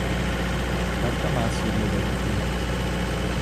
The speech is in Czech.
Banka má sídlo ve Vídni.